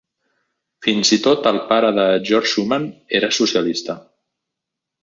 Fins i tot el pare de Georg Schumann era socialista.